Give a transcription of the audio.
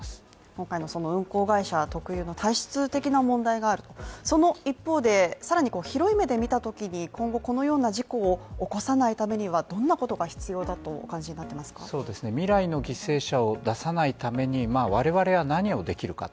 今回のその運航会社特有の体質的な問題があるとその一方で、さらに広い目で見たときに今後このような事故を起こさないためにはどんなことが必要だとお感じになってますか未来の犠牲者を出さないために我々は何をできるか。